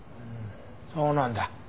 そうなんだ。